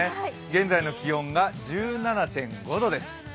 現在の気温が１７．５度です。